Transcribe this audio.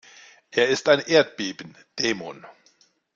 Er ist ein Erdbeben-Dämon.